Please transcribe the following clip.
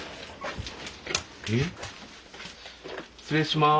失礼します。